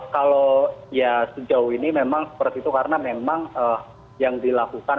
kalau ya sejauh ini memang seperti itu karena memang yang dilakukan